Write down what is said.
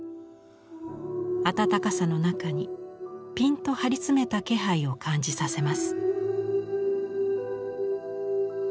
温かさの中にピンと張り詰めた気配を感じさせます。